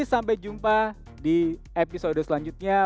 sampai jumpa di episode selanjutnya